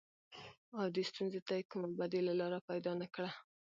او دې ستونزې ته يې کومه بديله لاره پيدا نه کړه.